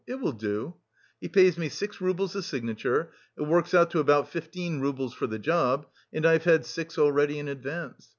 It will do! He pays me six roubles the signature, it works out to about fifteen roubles for the job, and I've had six already in advance.